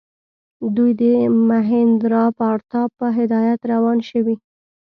دوی د مهیندراپراتاپ په هدایت روان شوي.